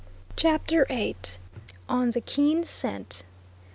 CHAPTER VII. ON THE KEEN SCENT.